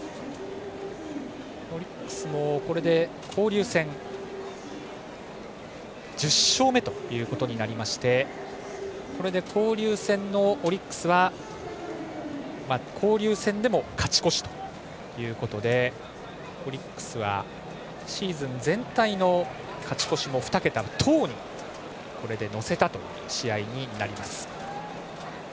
オリックスも、これで交流戦１０勝目となりましてこれでオリックスは交流戦でも勝ち越しということでオリックスはシーズン全体の勝ち越しも２桁１０に、これでのせたという試合になります。